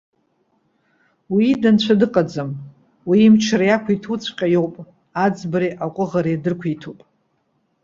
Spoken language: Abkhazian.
Уи ида нцәа дыҟаӡам. Уи амчра иақәиҭуҵәҟьа иоуп, аӡбареи аҟәыӷареи дрықәиҭуп.